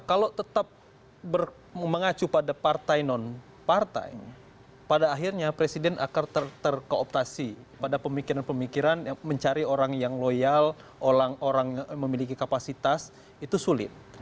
kalau tetap mengacu pada partai non partai pada akhirnya presiden akan terkooptasi pada pemikiran pemikiran mencari orang yang loyal orang orang yang memiliki kapasitas itu sulit